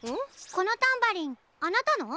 このタンバリンあなたの？